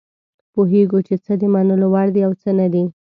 پوهیږو چې څه د منلو وړ دي او څه نه دي.